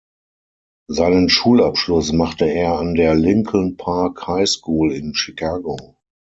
Seinen Schulabschluss machte er an der "Lincoln Park High School" in Chicago.